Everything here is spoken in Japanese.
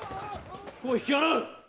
ここを引き払う！